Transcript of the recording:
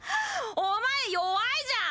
お前弱いじゃん！